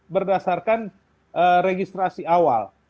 berdasarkan registrasi awal